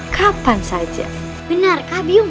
kamu bisa belajar tari